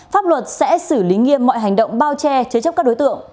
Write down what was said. pháp luật sẽ xử lý nghiêm mọi hành động bao che chế chấp các đối tượng